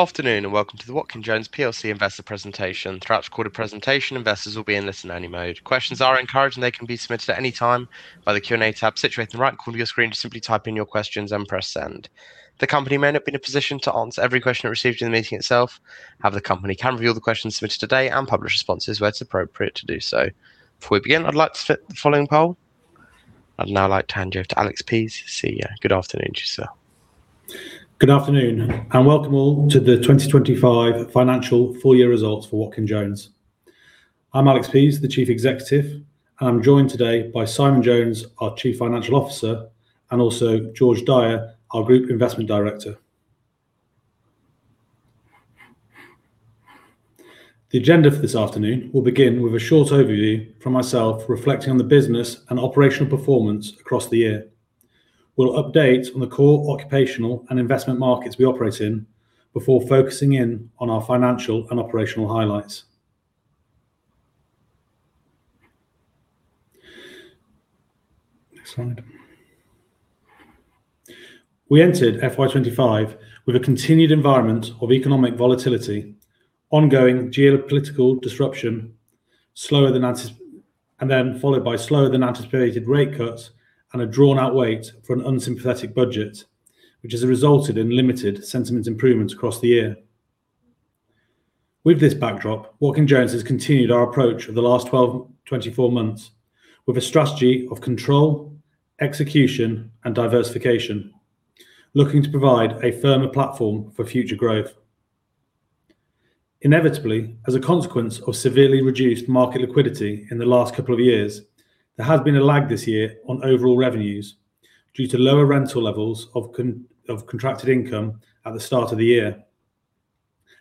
Afternoon, and welcome to the Watkin Jones PLC Investor Presentation. Throughout the recorded presentation, investors will be in listen-only mode. Questions are encouraged, and they can be submitted at any time by the Q&A tab situated on the right corner of your screen. Just simply type in your questions and press send. The company may not be in a position to answer every question it received in the meeting itself; however, the company can review the questions submitted today and publish responses where it's appropriate to do so. Before we begin, I'd like to run the following poll. I'd now like to hand you over to Alex Pease, CEO. Good afternoon, Giselle. Good afternoon, and welcome all to the 2025 financial full-year results for Watkin Jones. I'm Alex Pease, the Chief Executive, and I'm joined today by Simon Jones, our Chief Financial Officer, and also George Dyer, our Group Investment Director. The agenda for this afternoon will begin with a short overview from myself, reflecting on the business and operational performance across the year. We'll update on the core occupational and investment markets we operate in before focusing in on our financial and operational highlights. Next slide. We entered FY25 with a continued environment of economic volatility, ongoing geopolitical disruption, and then followed by slower-than-anticipated rate cuts and a drawn-out wait for an unsympathetic budget, which has resulted in limited sentiment improvements across the year. With this backdrop, Watkin Jones has continued our approach of the last 12-24 months with a strategy of control, execution, and diversification, looking to provide a firmer platform for future growth. Inevitably, as a consequence of severely reduced market liquidity in the last couple of years, there has been a lag this year on overall revenues due to lower rental levels of contracted income at the start of the year.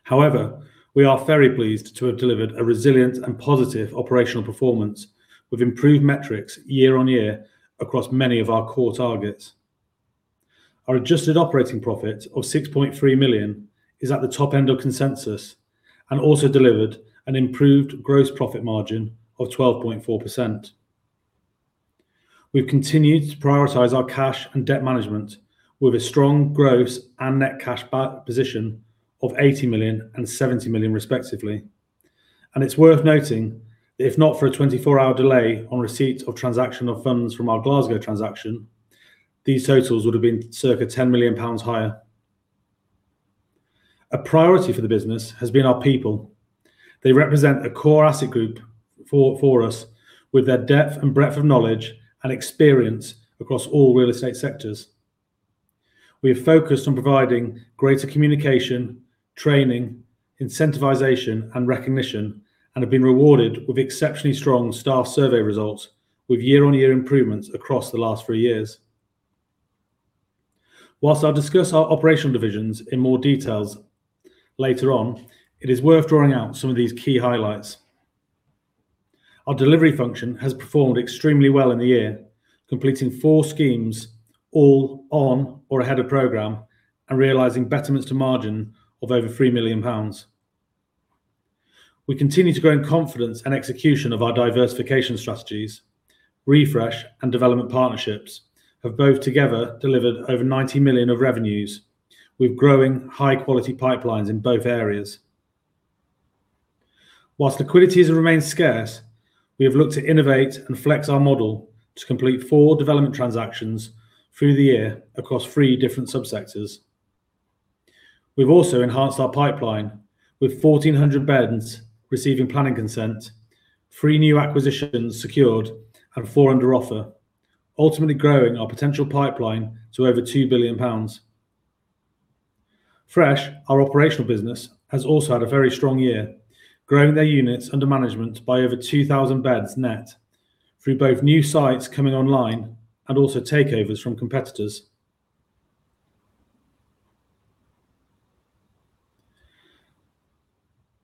However, we are very pleased to have delivered a resilient and positive operational performance with improved metrics year-on-year across many of our core targets. Our adjusted operating profit of 6.3 million is at the top end of consensus and also delivered an improved gross profit margin of 12.4%. We've continued to prioritize our cash and debt management with a strong gross and net cash position of 80 million and 70 million, respectively. It's worth noting that if not for a 24-hour delay on receipt of transactional funds from our Glasgow transaction, these totals would have been circa 10 million pounds higher. A priority for the business has been our people. They represent a core asset group for us with their depth and breadth of knowledge and experience across all real estate sectors. We have focused on providing greater communication, training, incentivization, and recognition, and have been rewarded with exceptionally strong staff survey results with year-on-year improvements across the last three years. While I'll discuss our operational divisions in more details later on, it is worth drawing out some of these key highlights. Our delivery function has performed extremely well in the year, completing four schemes all on or ahead of programme and realizing betterments to margin of over 3 million pounds. We continue to grow in confidence and execution of our diversification strategies. Refresh and development partnerships have both together delivered over 90 million of revenues with growing high-quality pipelines in both areas. While liquidities have remained scarce, we have looked to innovate and flex our model to complete four development transactions through the year across three different subsectors. We've also enhanced our pipeline with 1,400 beds receiving planning consent, three new acquisitions secured, and four under offer, ultimately growing our potential pipeline to over 2 billion pounds. Fresh, our operational business, has also had a very strong year, growing their units under management by over 2,000 beds net through both new sites coming online and also takeovers from competitors.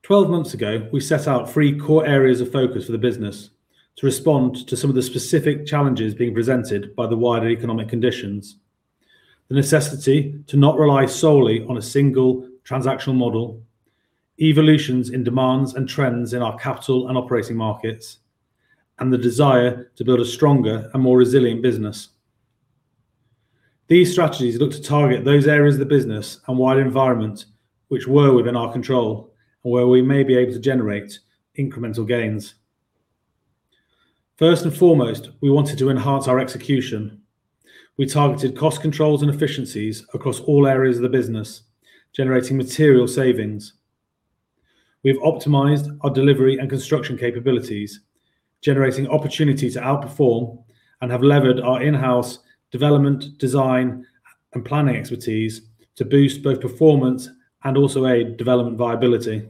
Twelve months ago, we set out three core areas of focus for the business to respond to some of the specific challenges being presented by the wider economic conditions, the necessity to not rely solely on a single transactional model, evolutions in demands and trends in our capital and operating markets, and the desire to build a stronger and more resilient business. These strategies look to target those areas of the business and wider environment which were within our control and where we may be able to generate incremental gains. First and foremost, we wanted to enhance our execution. We targeted cost controls and efficiencies across all areas of the business, generating material savings. We've optimized our delivery and construction capabilities, generating opportunity to outperform, and have levered our in-house development, design, and planning expertise to boost both performance and also aid development viability.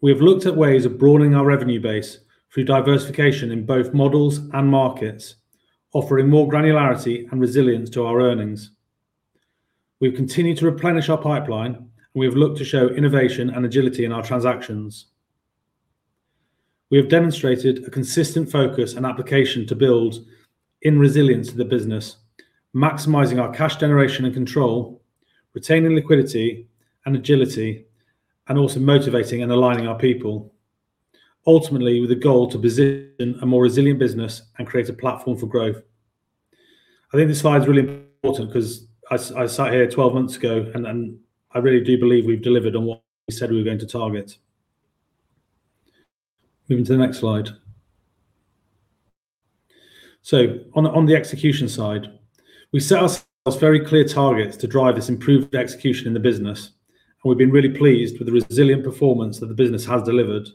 We have looked at ways of broadening our revenue base through diversification in both models and markets, offering more granularity and resilience to our earnings. We've continued to replenish our pipeline, and we have looked to show innovation and agility in our transactions. We have demonstrated a consistent focus and application to build in resilience to the business, maximizing our cash generation and control, retaining liquidity and agility, and also motivating and aligning our people, ultimately with a goal to position a more resilient business and create a platform for growth. I think this slide is really important because I sat here twelve months ago, and I really do believe we've delivered on what we said we were going to target. Moving to the next slide. On the execution side, we set ourselves very clear targets to drive this improved execution in the business, and we've been really pleased with the resilient performance that the business has delivered.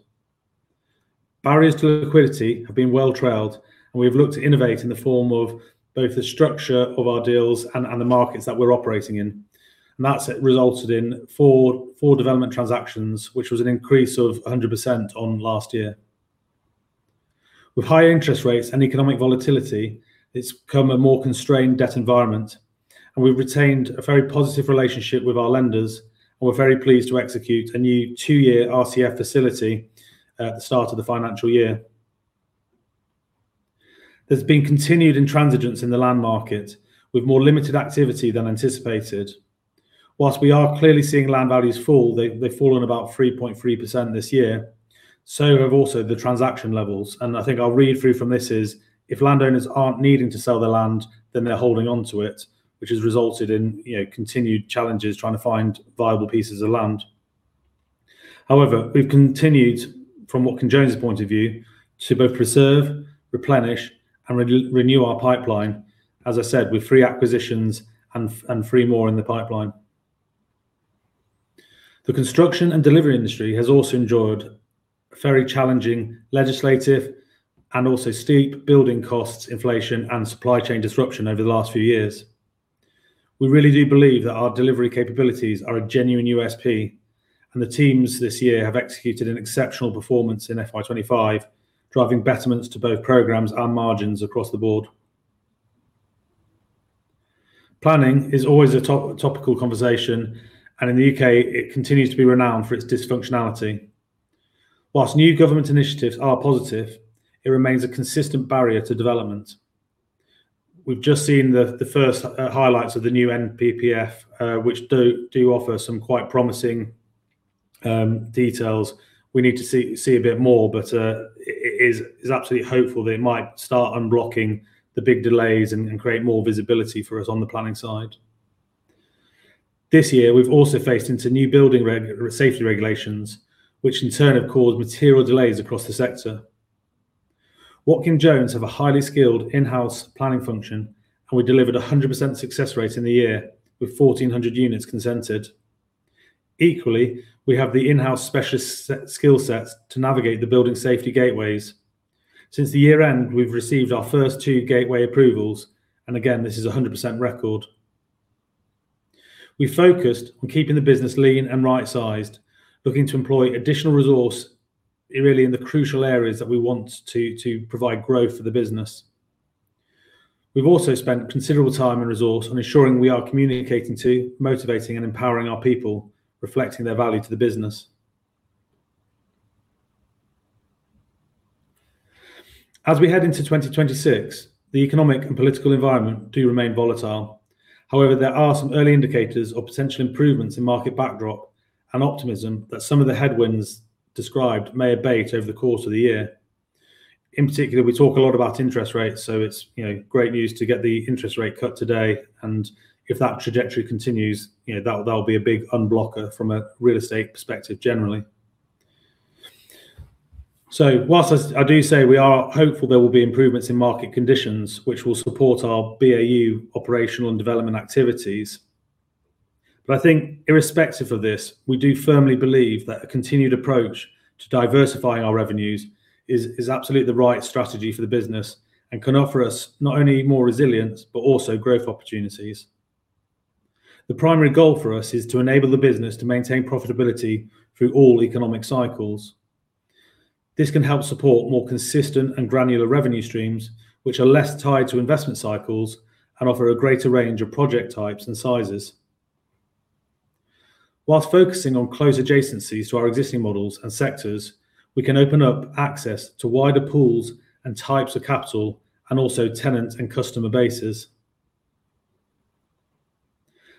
Barriers to liquidity have been well-trailed, and we have looked to innovate in the form of both the structure of our deals and the markets that we're operating in. And that's resulted in four development transactions, which was an increase of 100% on last year. With higher interest rates and economic volatility, it's become a more constrained debt environment, and we've retained a very positive relationship with our lenders, and we're very pleased to execute a new two-year RCF facility at the start of the financial year. There's been continued intransigence in the land market, with more limited activity than anticipated. While we are clearly seeing land values fall, they've fallen about 3.3% this year, so have also the transaction levels, and I think I'll read through from this is, if landowners aren't needing to sell their land, then they're holding onto it, which has resulted in continued challenges trying to find viable pieces of land. However, we've continued, from Watkin Jones's point of view, to both preserve, replenish, and renew our pipeline, as I said, with three acquisitions and three more in the pipeline. The construction and delivery industry has also enjoyed very challenging legislative and also steep building costs, inflation, and supply chain disruption over the last few years. We really do believe that our delivery capabilities are a genuine USP, and the teams this year have executed an exceptional performance in FY25, driving betterments to both programmes and margins across the board. Planning is always a topical conversation, and in the U.K., it continues to be renowned for its dysfunctionality. While new government initiatives are positive, it remains a consistent barrier to development. We've just seen the first highlights of the new NPPF, which do offer some quite promising details. We need to see a bit more, but it is absolutely hopeful that it might start unblocking the big delays and create more visibility for us on the planning side. This year, we've also faced into new building safety regulations, which in turn have caused material delays across the sector. Watkin Jones has a highly skilled in-house planning function, and we delivered a 100% success rate in the year with 1,400 units consented. Equally, we have the in-house specialist skill sets to navigate the building safety gateways. Since the year-end, we've received our first two gateway approvals, and again, this is a 100% record. We focused on keeping the business lean and right-sized, looking to employ additional resource really in the crucial areas that we want to provide growth for the business. We've also spent considerable time and resource on ensuring we are communicating to, motivating, and empowering our people, reflecting their value to the business. As we head into 2026, the economic and political environment do remain volatile. However, there are some early indicators of potential improvements in market backdrop and optimism that some of the headwinds described may abate over the course of the year. In particular, we talk a lot about interest rates, so it's great news to get the interest rate cut today, and if that trajectory continues, that'll be a big unblocker from a real estate perspective generally. While I do say we are hopeful there will be improvements in market conditions, which will support our BAU operational and development activities, but I think irrespective of this, we do firmly believe that a continued approach to diversifying our revenues is absolutely the right strategy for the business and can offer us not only more resilience but also growth opportunities. The primary goal for us is to enable the business to maintain profitability through all economic cycles. This can help support more consistent and granular revenue streams, which are less tied to investment cycles and offer a greater range of project types and sizes. While focusing on close adjacencies to our existing models and sectors, we can open up access to wider pools and types of capital and also tenant and customer bases.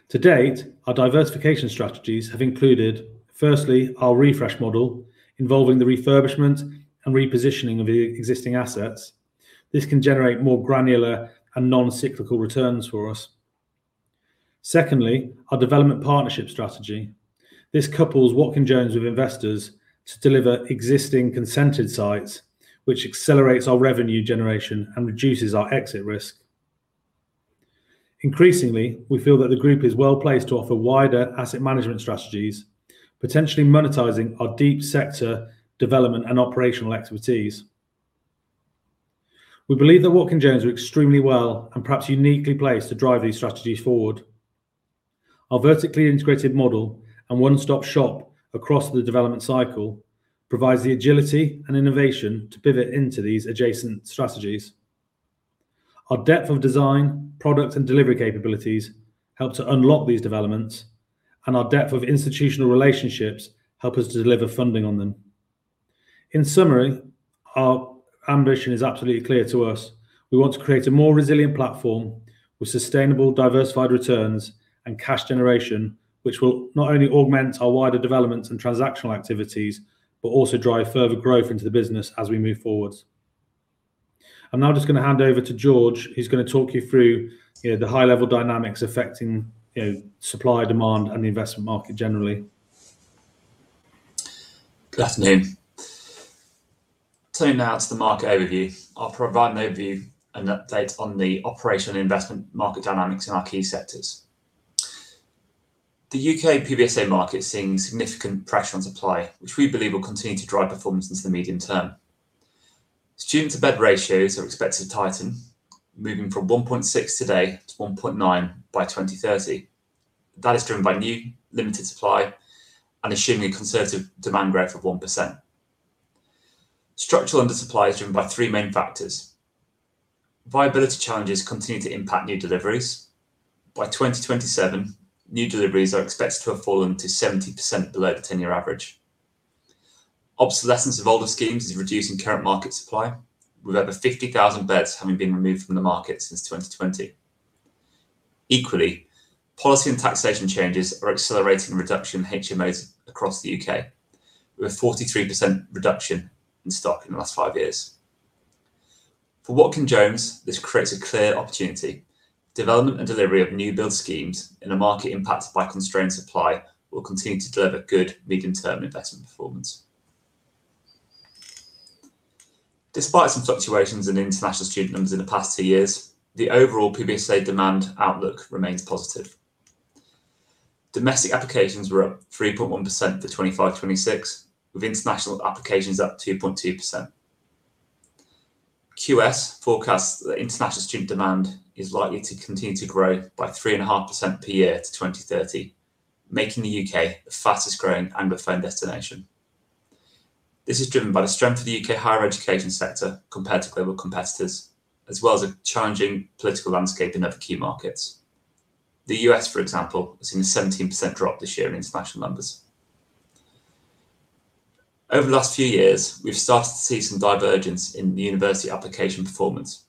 To date, our diversification strategies have included, firstly, our Refresh model involving the refurbishment and repositioning of existing assets. This can generate more granular and non-cyclical returns for us. Secondly, our development partnership strategy. This couples Watkin Jones with investors to deliver existing consented sites, which accelerates our revenue generation and reduces our exit risk. Increasingly, we feel that the group is well placed to offer wider asset management strategies, potentially monetizing our deep sector development and operational expertise. We believe that Watkin Jones are extremely well and perhaps uniquely placed to drive these strategies forward. Our vertically integrated model and one-stop shop across the development cycle provides the agility and innovation to pivot into these adjacent strategies. Our depth of design, product, and delivery capabilities help to unlock these developments, and our depth of institutional relationships help us to deliver funding on them. In summary, our ambition is absolutely clear to us. We want to create a more resilient platform with sustainable diversified returns and cash generation, which will not only augment our wider developments and transactional activities but also drive further growth into the business as we move forward. I'm now just going to hand over to George. He's going to talk you through the high-level dynamics affecting supply, demand, and the investment market generally. Good afternoon. So now it's the market overview. I'll provide an overview and update on the operational and investment market dynamics in our key sectors. The U.K. PBSA market is seeing significant pressure on supply, which we believe will continue to drive performance into the medium term. Student-to-bed ratios are expected to tighten, moving from 1.6 today to 1.9 by 2030. That is driven by new limited supply and assuming a conservative demand growth of 1%. Structural undersupply is driven by three main factors. Viability challenges continue to impact new deliveries. By 2027, new deliveries are expected to have fallen to 70% below the 10-year average. Obsolescence of older schemes is reducing current market supply, with over 50,000 beds having been removed from the market since 2020. Equally, policy and taxation changes are accelerating the reduction in HMOs across the U.K., with a 43% reduction in stock in the last five years. For Watkin Jones, this creates a clear opportunity. Development and delivery of new build schemes in a market impacted by constrained supply will continue to deliver good medium-term investment performance. Despite some fluctuations in international student numbers in the past two years, the overall PBSA demand outlook remains positive. Domestic applications were up 3.1% for 2025-26, with international applications up 2.2%. QS forecasts that international student demand is likely to continue to grow by 3.5% per year to 2030, making the U.K. the fastest-growing Anglophone destination. This is driven by the strength of the U.K. higher education sector compared to global competitors, as well as a challenging political landscape in other key markets. The U.S., for example, has seen a 17% drop this year in international numbers. Over the last few years, we've started to see some divergence in university application performance,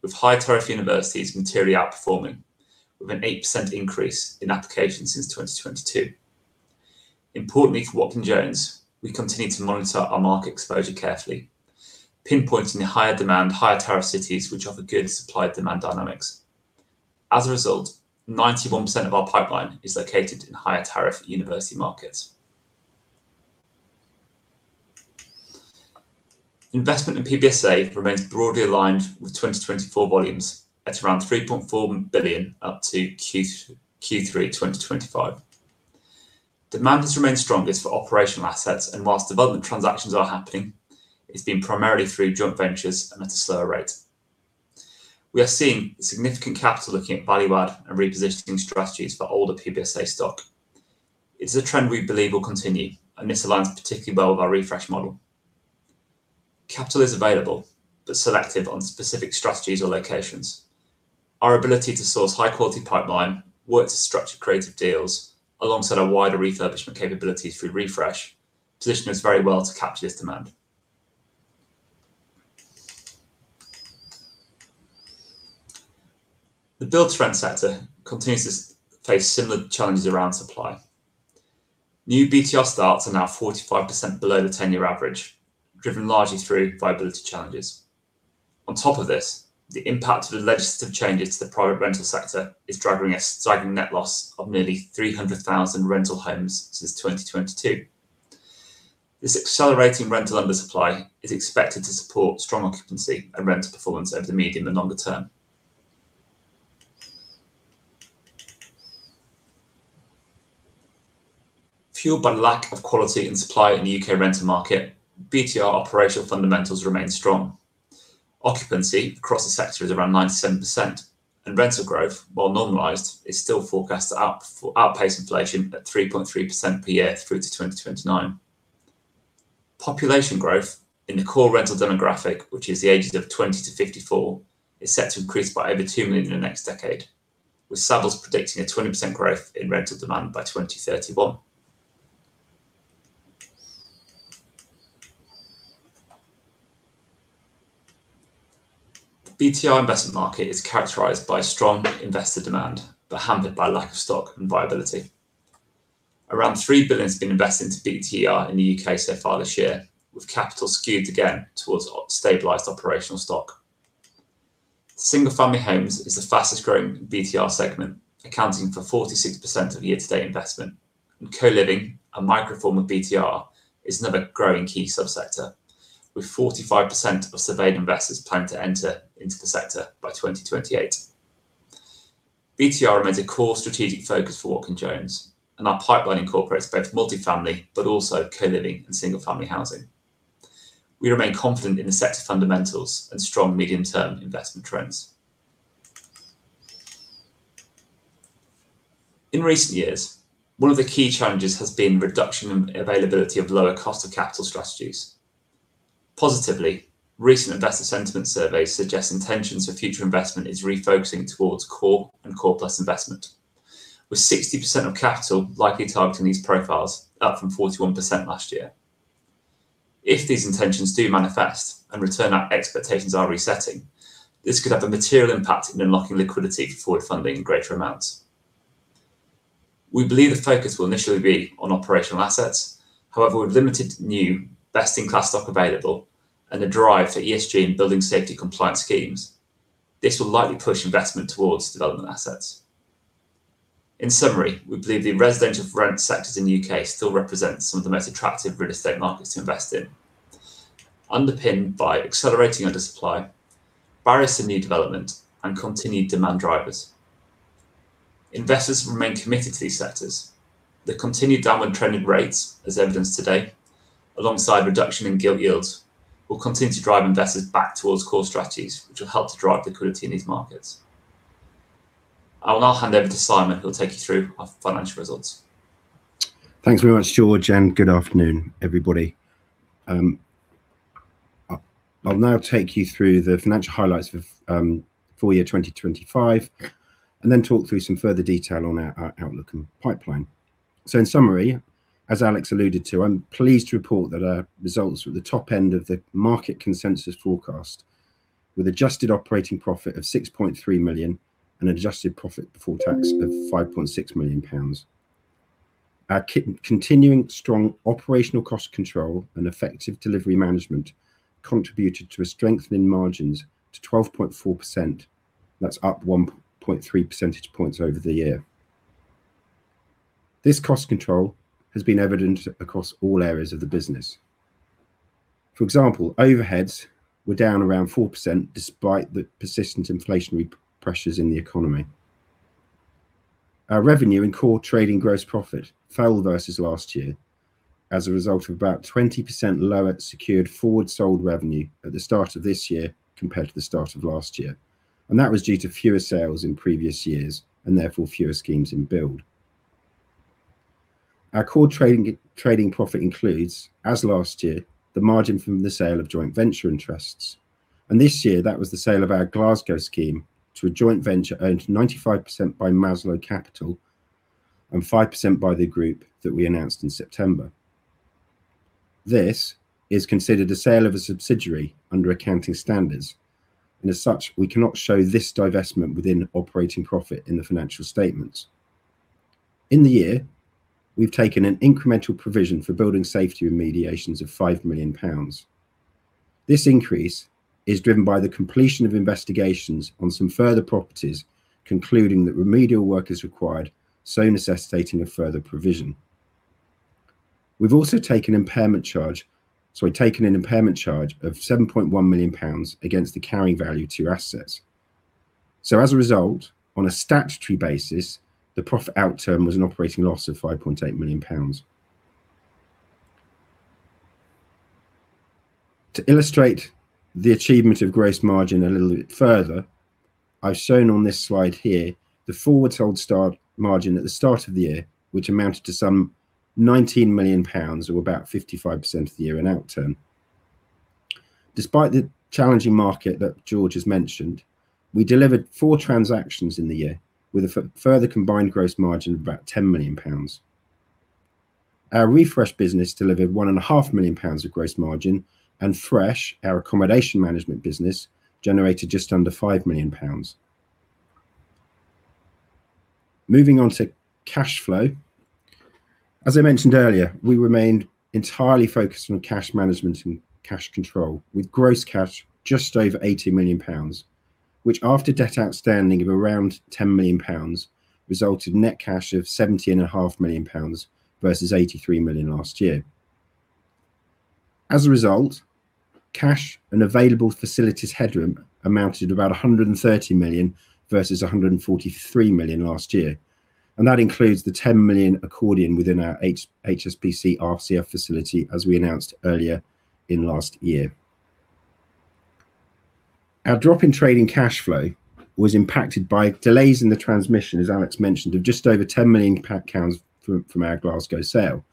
with higher-tariff universities materially outperforming, with an 8% increase in applications since 2022. Importantly for Watkin Jones, we continue to monitor our market exposure carefully, pinpointing the higher demand, higher tariff cities which offer good supply-demand dynamics. As a result, 91% of our pipeline is located in higher tariff university markets. Investment in PBSA remains broadly aligned with 2024 volumes at around 3.4 billion up to Q3 2025. Demand has remained strongest for operational assets, and whilst development transactions are happening, it's been primarily through joint ventures and at a slower rate. We are seeing significant capital looking at value-add and repositioning strategies for older PBSA stock. It's a trend we believe will continue, and this aligns particularly well with our Refresh model. Capital is available, but selective on specific strategies or locations. Our ability to source high-quality pipeline, work to structure creative deals, alongside our wider refurbishment capabilities through Refresh, positions us very well to capture this demand. The build-to-rent sector continues to face similar challenges around supply. New BtR starts are now 45% below the 10-year average, driven largely through viability challenges. On top of this, the impact of the legislative changes to the private rental sector is driving a staggering net loss of nearly 300,000 rental homes since 2022. This accelerating rental under-supply is expected to support strong occupancy and rental performance over the medium and longer term. Fueled by the lack of quality and supply in the U.K. rental market, BtR operational fundamentals remain strong. Occupancy across the sector is around 97%, and rental growth, while normalized, is still forecast to outpace inflation at 3.3% per year through to 2029. Population growth in the core rental demographic, which is the ages of 20 to 54, is set to increase by over two million in the next decade, with Savills predicting a 20% growth in rental demand by 2031. The BtR investment market is characterized by strong investor demand but hampered by lack of stock and viability. Around 3 billion has been invested into BtR in the U.K. so far this year, with capital skewed again towards stabilized operational stock. Single-family homes is the fastest-growing BtR segment, accounting for 46% of year-to-date investment, and co-living, a microform of BtR, is another growing key subsector, with 45% of surveyed investors planning to enter into the sector by 2028. BtR remains a core strategic focus for Watkin Jones, and our pipeline incorporates both multifamily but also co-living and single-family housing. We remain confident in the sector fundamentals and strong medium-term investment trends. In recent years, one of the key challenges has been the reduction in availability of lower-cost-of-capital strategies. Positively, recent investor sentiment surveys suggest intentions for future investment are refocusing towards core and core-plus investment, with 60% of capital likely targeting these profiles, up from 41% last year. If these intentions do manifest and return our expectations are resetting, this could have a material impact in unlocking liquidity for forward funding in greater amounts. We believe the focus will initially be on operational assets. However, with limited new, best-in-class stock available and a drive for ESG and building safety compliance schemes, this will likely push investment towards development assets. In summary, we believe the residential rent sectors in the U.K. still represent some of the most attractive real estate markets to invest in, underpinned by accelerating undersupply, barriers to new development, and continued demand drivers. Investors remain committed to these sectors. The continued downward trend in rates, as evidenced today, alongside reduction in gilt yields, will continue to drive investors back towards core strategies, which will help to drive liquidity in these markets. I'll now hand over to Simon, who will take you through our financial results. Thanks very much, George, and good afternoon, everybody. I'll now take you through the financial highlights for the full year 2025 and then talk through some further detail on our outlook and pipeline. So, in summary, as Alex alluded to, I'm pleased to report that our results are at the top end of the market consensus forecast, with an adjusted operating profit of 6.3 million and an adjusted profit before tax of 5.6 million pounds. Our continuing strong operational cost control and effective delivery management contributed to a strengthened margin to 12.4%. That's up 1.3 percentage points over the year. This cost control has been evident across all areas of the business. For example, overheads were down around 4% despite the persistent inflationary pressures in the economy. Our revenue and core trading gross profit fell versus last year as a result of about 20% lower secured forward sold revenue at the start of this year compared to the start of last year, and that was due to fewer sales in previous years and therefore fewer schemes in build. Our core trading profit includes, as last year, the margin from the sale of joint venture interests, and this year that was the sale of our Glasgow scheme to a joint venture owned 95% by Maslow Capital and 5% by the group that we announced in September. This is considered a sale of a subsidiary under accounting standards, and as such, we cannot show this divestment within operating profit in the financial statements. In the year, we've taken an incremental provision for building safety remediations of 5 million pounds. This increase is driven by the completion of investigations on some further properties, concluding that remedial work is required, so necessitating a further provision. We've also taken an impairment charge of 7.1 million pounds against the carrying value to assets. So, as a result, on a statutory basis, the profit outcome was an operating loss of 5.8 million pounds. To illustrate the achievement of gross margin a little bit further, I've shown on this slide here the forward sold start margin at the start of the year, which amounted to some 19 million pounds, or about 55% of the year in outcome. Despite the challenging market that George has mentioned, we delivered four transactions in the year with a further combined gross margin of about 10 million pounds. Our Refresh business delivered 1.5 million pounds of gross margin, and Fresh, our accommodation management business, generated just under 5 million pounds. Moving on to cash flow. As I mentioned earlier, we remained entirely focused on cash management and cash control, with gross cash just over 80 million pounds, which, after debt outstanding of around 10 million pounds, resulted in net cash of 17.5 million pounds versus 83 million last year. As a result, cash and available facilities headroom amounted to about 130 million versus 143 million last year, and that includes the 10 million accordion within our HSBC RCF facility, as we announced earlier in last year. Our drop in trading cash flow was impacted by delays in the transmission, as Alex mentioned, of just over 10 million pounds from our Glasgow sale,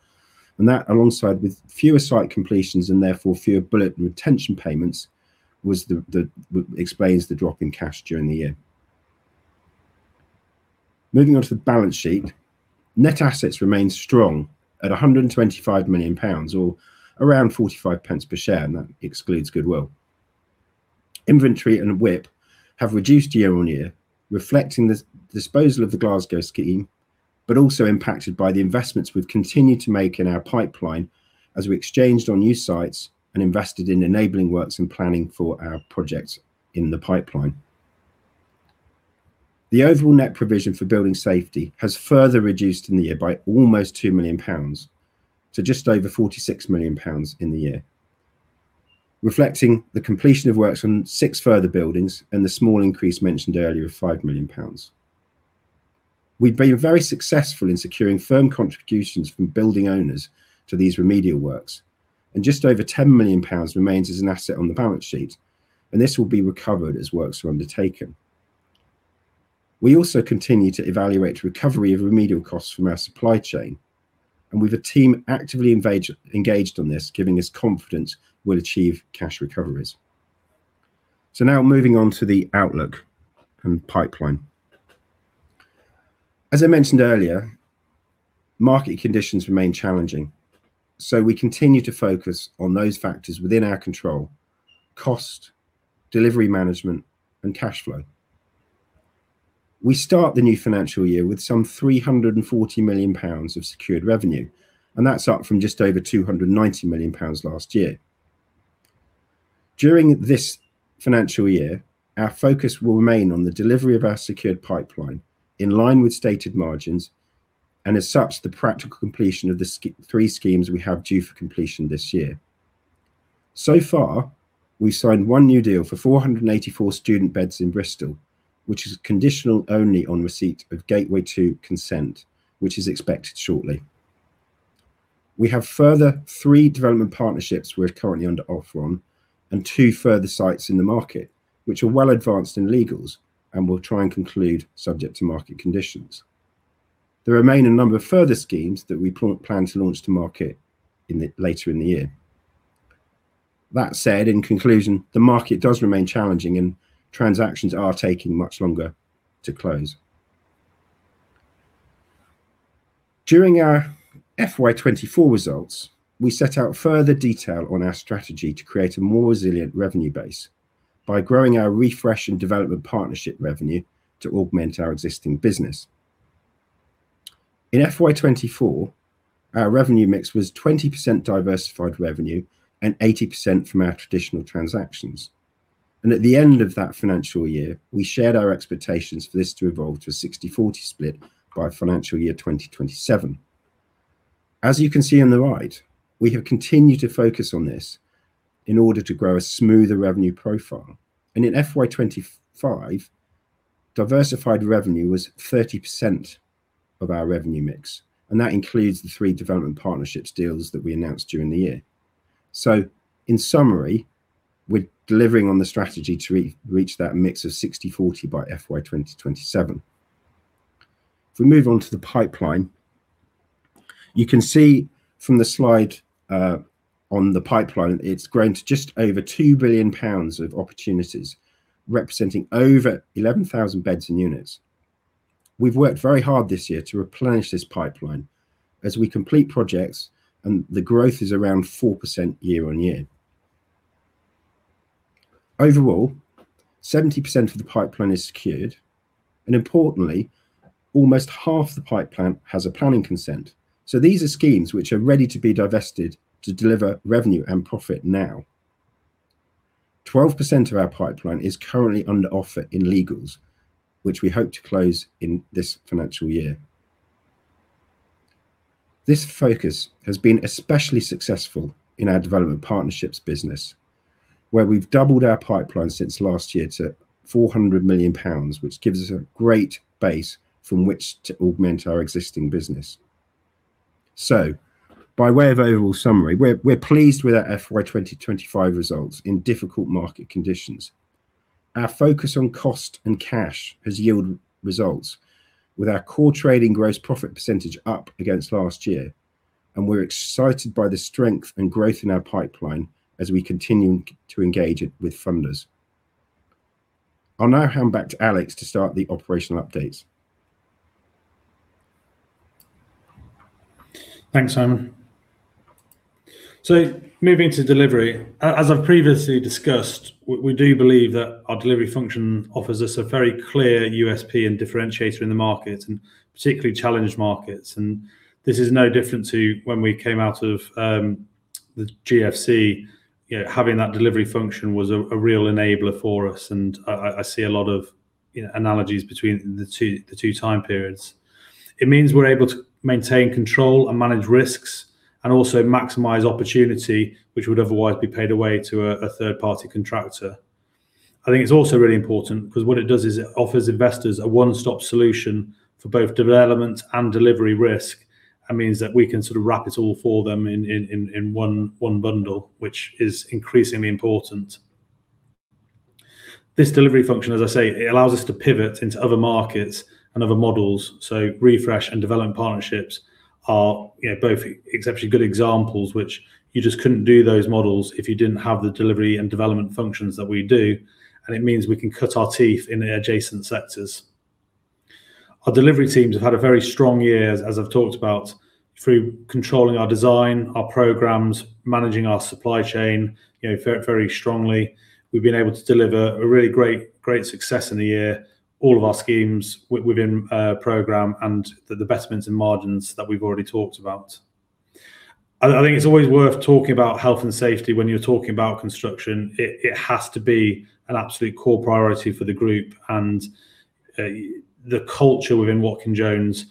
and that, alongside with fewer site completions and therefore fewer bullet and retention payments, explains the drop in cash during the year. Moving on to the balance sheet, net assets remained strong at 125 million pounds, or around 0.45 per share, and that excludes goodwill. Inventory and WIP have reduced year-on-year, reflecting the disposal of the Glasgow scheme, but also impacted by the investments we've continued to make in our pipeline as we exchanged on new sites and invested in enabling works and planning for our projects in the pipeline. The overall net provision for building safety has further reduced in the year by almost 2 million pounds, to just over 46 million pounds in the year, reflecting the completion of works on six further buildings and the small increase mentioned earlier of 5 million pounds. We've been very successful in securing firm contributions from building owners to these remedial works, and just over 10 million pounds remains as an asset on the balance sheet, and this will be recovered as works are undertaken. We also continue to evaluate recovery of remedial costs from our supply chain, and we've a team actively engaged on this, giving us confidence we'll achieve cash recoveries. So now moving on to the outlook and pipeline. As I mentioned earlier, market conditions remain challenging, so we continue to focus on those factors within our control: cost, delivery management, and cash flow. We start the new financial year with some 340 million pounds of secured revenue, and that's up from just over 290 million pounds last year. During this financial year, our focus will remain on the delivery of our secured pipeline in line with stated margins and, as such, the practical completion of the three schemes we have due for completion this year. So far, we've signed one new deal for 484 student beds in Bristol, which is conditional only on receipt of Gateway 2 consent, which is expected shortly. We have further three development partnerships we're currently under offer on and two further sites in the market, which are well advanced in legals and will try and conclude subject to market conditions. There remain a number of further schemes that we plan to launch to market later in the year. That said, in conclusion, the market does remain challenging, and transactions are taking much longer to close. During our FY24 results, we set out further detail on our strategy to create a more resilient revenue base by growing our Refresh and development partnership revenue to augment our existing business. In FY24, our revenue mix was 20% diversified revenue and 80% from our traditional transactions, and at the end of that financial year, we shared our expectations for this to evolve to a 60/40 split by financial year 2027. As you can see on the right, we have continued to focus on this in order to grow a smoother revenue profile, and in FY25, diversified revenue was 30% of our revenue mix, and that includes the three development partnerships deals that we announced during the year, so in summary, we're delivering on the strategy to reach that mix of 60/40 by FY2027. If we move on to the pipeline, you can see from the slide on the pipeline it's grown to just over 2 billion pounds of opportunities, representing over 11,000 beds and units. We've worked very hard this year to replenish this pipeline as we complete projects, and the growth is around 4% year-on-year. Overall, 70% of the pipeline is secured, and importantly, almost half the pipeline has a planning consent, so these are schemes which are ready to be divested to deliver revenue and profit now. 12% of our pipeline is currently under offer in legals, which we hope to close in this financial year. This focus has been especially successful in our development partnerships business, where we've doubled our pipeline since last year to 400 million pounds, which gives us a great base from which to augment our existing business. So, by way of overall summary, we're pleased with our FY2025 results in difficult market conditions. Our focus on cost and cash has yielded results, with our core trading gross profit percentage up against last year, and we're excited by the strength and growth in our pipeline as we continue to engage with funders. I'll now hand back to Alex to start the operational updates. Thanks, Simon. So, moving to delivery, as I've previously discussed, we do believe that our delivery function offers us a very clear USP and differentiator in the markets, and particularly challenged markets, and this is no different to when we came out of the GFC. Having that delivery function was a real enabler for us, and I see a lot of analogies between the two time periods. It means we're able to maintain control and manage risks and also maximize opportunity, which would otherwise be paid away to a third-party contractor. I think it's also really important because what it does is it offers investors a one-stop solution for both development and delivery risk, and means that we can sort of wrap it all for them in one bundle, which is increasingly important. This delivery function, as I say, it allows us to pivot into other markets and other models, so Refresh and development partnerships are both exceptionally good examples, which you just couldn't do those models if you didn't have the delivery and development functions that we do, and it means we can cut our teeth in the adjacent sectors. Our delivery teams have had a very strong year, as I've talked about, through controlling our design, our programmes, managing our supply chain very strongly. We've been able to deliver a really great success in the year, all of our schemes within programme and the betterments in margins that we've already talked about. I think it's always worth talking about health and safety when you're talking about construction. It has to be an absolute core priority for the group, and the culture within Watkin Jones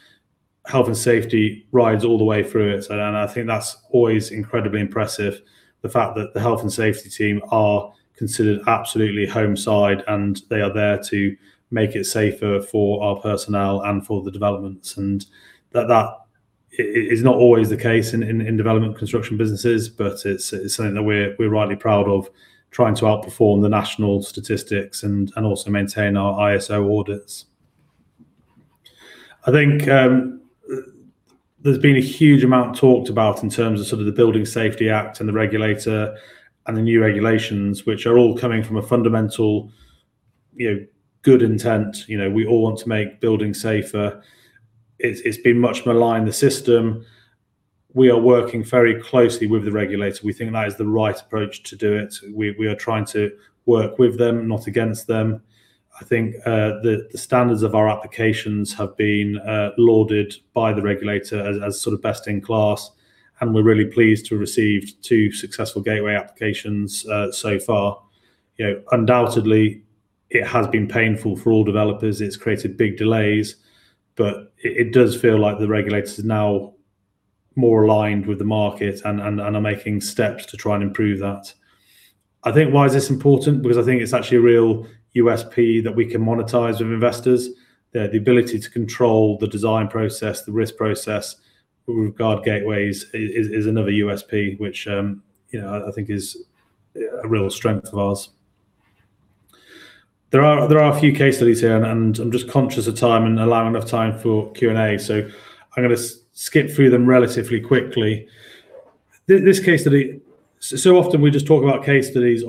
health and safety runs all the way through it, and I think that's always incredibly impressive, the fact that the health and safety team are considered absolutely on side, and they are there to make it safer for our personnel and for the developments, and that is not always the case in development construction businesses, but it's something that we're rightly proud of, trying to outperform the national statistics and also maintain our ISO audits. I think there's been a huge amount talked about in terms of sort of the Building Safety Act and the regulator and the new regulations, which are all coming from a fundamental good intent. We all want to make buildings safer. It's been much more aligned in the system. We are working very closely with the regulator. We think that is the right approach to do it. We are trying to work with them, not against them. I think the standards of our applications have been lauded by the regulator as sort of best in class, and we're really pleased to have received two successful gateway applications so far. Undoubtedly, it has been painful for all developers. It's created big delays, but it does feel like the regulator is now more aligned with the market and are making steps to try and improve that. I think why is this important? Because I think it's actually a real USP that we can monetize with investors. The ability to control the design process, the risk process with regard to gateways is another USP, which I think is a real strength of ours. There are a few case studies here, and I'm just conscious of time and allowing enough time for Q&A, so I'm going to skip through them relatively quickly, so often we just talk about case studies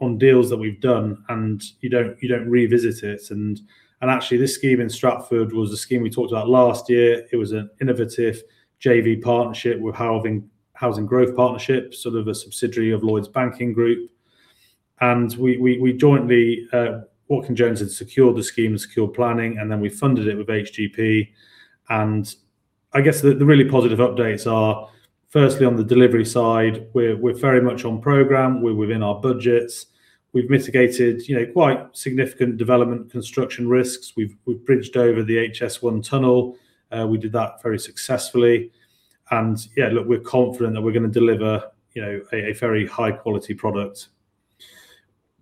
on deals that we've done, and you don't revisit it, and actually, this scheme in Stratford was a scheme we talked about last year. It was an innovative JV partnership with Housing Growth Partnership, sort of a subsidiary of Lloyds Banking Group, and we jointly, Watkin Jones had secured the scheme, secured planning, and then we funded it with HGP, and I guess the really positive updates are, firstly, on the delivery side, we're very much on programme. We're within our budgets. We've mitigated quite significant development construction risks. We've bridged over the HS1 tunnel. We did that very successfully, and yeah, look, we're confident that we're going to deliver a very high-quality product.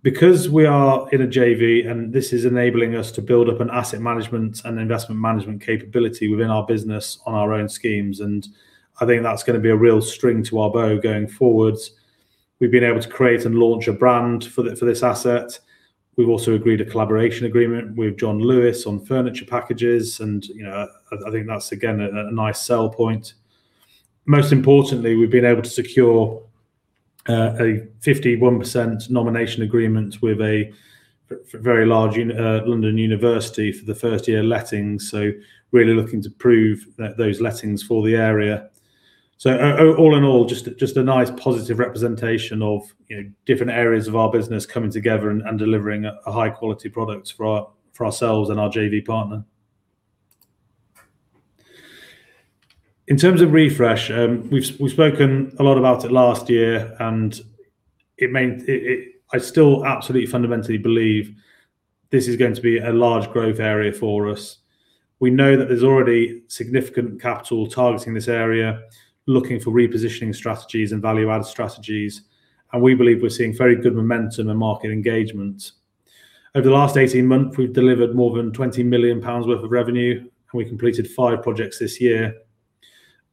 Because we are in a JV, and this is enabling us to build up an asset management and investment management capability within our business on our own schemes, and I think that's going to be a real string to our bow going forwards. We've been able to create and launch a brand for this asset. We've also agreed a collaboration agreement with John Lewis on furniture packages, and I think that's, again, a nice selling point. Most importantly, we've been able to secure a 51% nomination agreement with a very large London University for the first-year lettings, so really looking to prove those lettings for the area. All in all, just a nice positive representation of different areas of our business coming together and delivering a high-quality product for ourselves and our JV partner. In terms of Refresh, we've spoken a lot about it last year, and I still absolutely, fundamentally believe this is going to be a large growth area for us. We know that there's already significant capital targeting this area, looking for repositioning strategies and value-add strategies, and we believe we're seeing very good momentum and market engagement. Over the last 18 months, we've delivered more than 20 million pounds worth of revenue, and we completed five projects this year.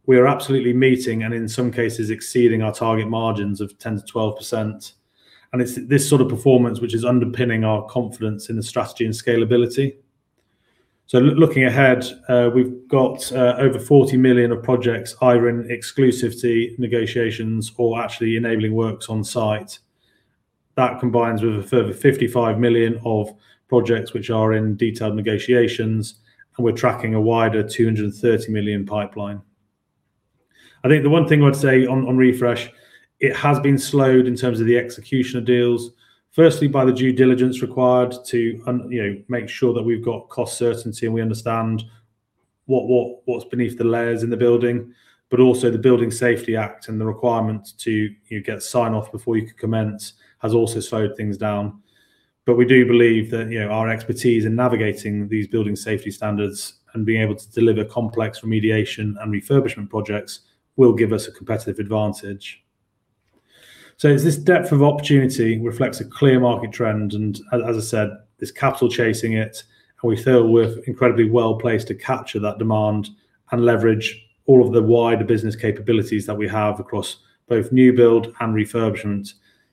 We are absolutely meeting and, in some cases, exceeding our target margins of 10%-12%, and it's this sort of performance which is underpinning our confidence in the strategy and scalability. So looking ahead, we've got over 40 million of projects either in exclusivity negotiations or actually enabling works on site. That combines with a further 55 million of projects which are in detailed negotiations, and we're tracking a wider 230 million pipeline. I think the one thing I'd say on Refresh, it has been slowed in terms of the execution of deals, firstly by the due diligence required to make sure that we've got cost certainty and we understand what's beneath the layers in the building, but also the Building Safety Act and the requirement to get sign-off before you can commence has also slowed things down. We do believe that our expertise in navigating these building safety standards and being able to deliver complex remediation and refurbishment projects will give us a competitive advantage. So this depth of opportunity reflects a clear market trend, and as I said, there's capital chasing it, and we feel we're incredibly well placed to capture that demand and leverage all of the wider business capabilities that we have across both new build and refurbishment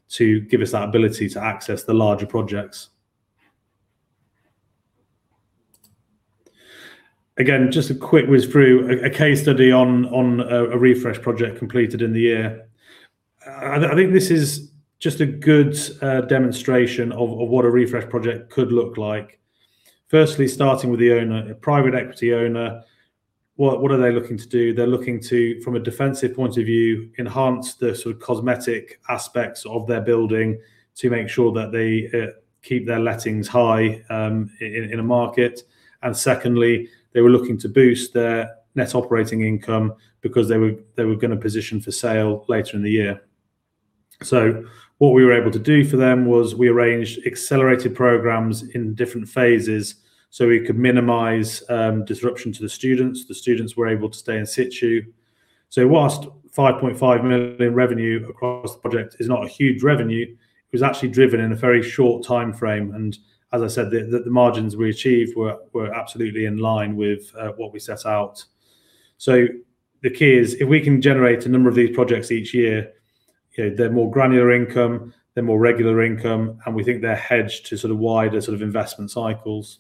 to give us that ability to access the larger projects. Again, just a quick whiz through a case study on a Refresh project completed in the year. I think this is just a good demonstration of what a Refresh project could look like. Firstly, starting with the owner, a private equity owner, what are they looking to do? They're looking to, from a defensive point of view, enhance the sort of cosmetic aspects of their building to make sure that they keep their lettings high in a market. Secondly, they were looking to boost their net operating income because they were going to position for sale later in the year. What we were able to do for them was we arranged accelerated programmes in different phases so we could minimize disruption to the students. The students were able to stay in situ. While 5.5 million revenue across the project is not a huge revenue, it was actually driven in a very short time frame, and as I said, the margins we achieved were absolutely in line with what we set out. The key is if we can generate a number of these projects each year, they're more granular income, they're more regular income, and we think they're hedged to sort of wider sort of investment cycles.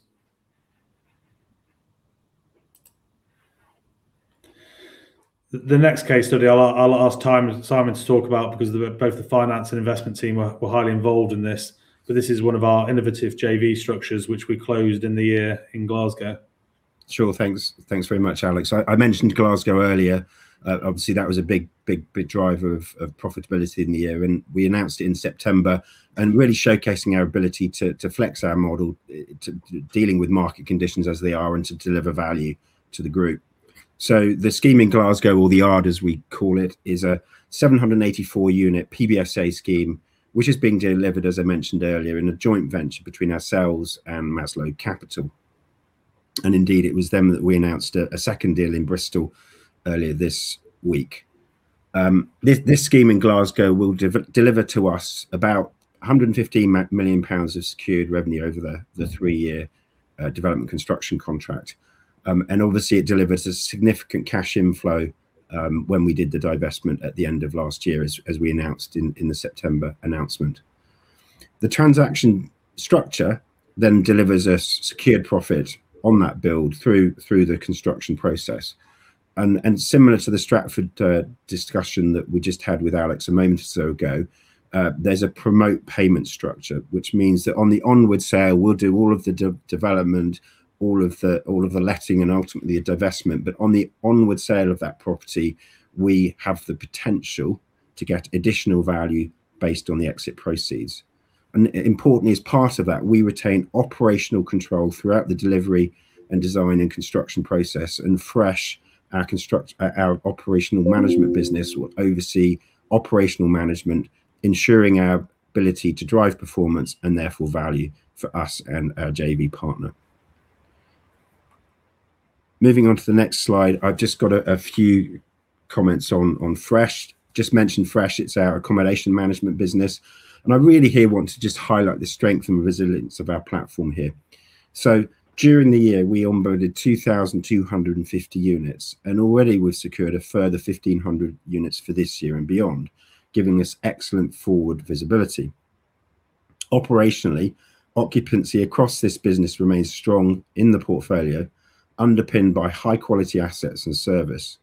The next case study, I'll ask Simon to talk about because both the finance and investment team were highly involved in this, but this is one of our innovative JV structures which we closed in the year in Glasgow. Sure, thanks. Thanks very much, Alex. I mentioned Glasgow earlier. Obviously, that was a big driver of profitability in the year, and we announced it in September and really showcasing our ability to flex our model to dealing with market conditions as they are and to deliver value to the group. The scheme in Glasgow, or The Àrd as we call it, is a 784-unit PBSA scheme which is being delivered, as I mentioned earlier, in a joint venture between ourselves and Maslow Capital. Indeed, it was them that we announced a second deal in Bristol earlier this week. This scheme in Glasgow will deliver to us about 115 million pounds of secured revenue over the three-year development construction contract, and obviously, it delivers a significant cash inflow when we did the divestment at the end of last year, as we announced in the September announcement. The transaction structure then delivers a secured profit on that build through the construction process, and similar to the Stratford discussion that we just had with Alex a moment or so ago, there's a promote payment structure, which means that on the onward sale, we'll do all of the development, all of the letting, and ultimately a divestment, but on the onward sale of that property, we have the potential to get additional value based on the exit proceeds. Importantly, as part of that, we retain operational control throughout the delivery and design and construction process, and Fresh, our operational management business, will oversee operational management, ensuring our ability to drive performance and therefore value for us and our JV partner. Moving on to the next slide, I've just got a few comments on Fresh. Just mentioned Fresh, it's our accommodation management business, and I really here want to just highlight the strength and resilience of our platform here. During the year, we onboarded 2,250 units, and already we've secured a further 1,500 units for this year and beyond, giving us excellent forward visibility. Operationally, occupancy across this business remains strong in the portfolio, underpinned by high-quality assets and service.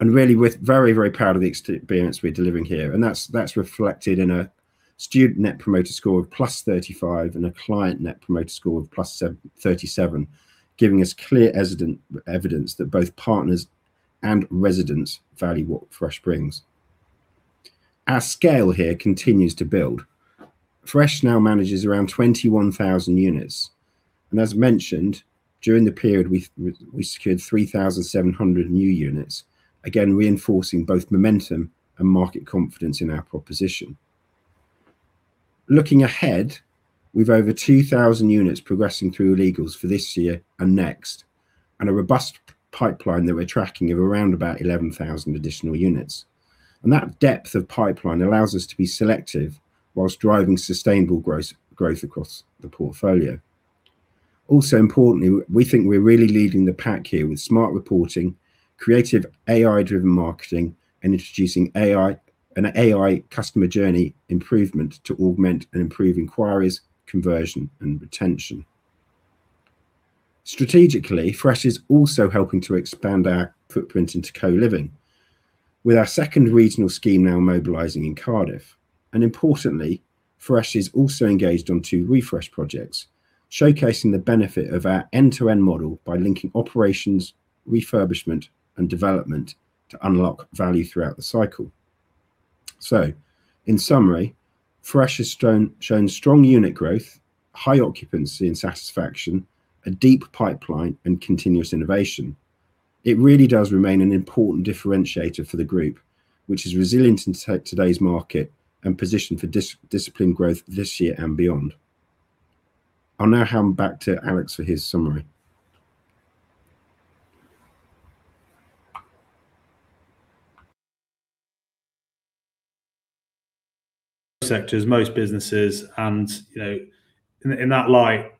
Really, we're very, very proud of the experience we're delivering here, and that's reflected in a student Net Promoter Score of +35 and a client Net Promoter Score of +37, giving us clear evidence that both partners and residents value what Fresh brings. Our scale here continues to build. Fresh now manages around 21,000 units, and as mentioned, during the period, we secured 3,700 new units, again reinforcing both momentum and market confidence in our proposition. Looking ahead, we've over 2,000 units progressing through legals for this year and next, and a robust pipeline that we're tracking of around about 11,000 additional units. That depth of pipeline allows us to be selective while driving sustainable growth across the portfolio. Also importantly, we think we're really leading the pack here with smart reporting, creative AI-driven marketing, and introducing an AI customer journey improvement to augment and improve inquiries, conversion, and retention. Strategically, Fresh is also helping to expand our footprint into co-living, with our second regional scheme now mobilizing in Cardiff. And importantly, Fresh is also engaged on two Refresh projects, showcasing the benefit of our end-to-end model by linking operations, refurbishment, and development to unlock value throughout the cycle. So in summary, Fresh has shown strong unit growth, high occupancy and satisfaction, a deep pipeline, and continuous innovation. It really does remain an important differentiator for the group, which is resilient in today's market and positioned for disciplined growth this year and beyond. I'll now hand back to Alex for his summary. Sectors, most businesses, and in that light,